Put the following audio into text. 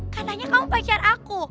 katanya kamu pacar aku